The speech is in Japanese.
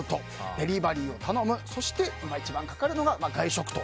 デリバリーを頼むそして一番かかるのが外食と。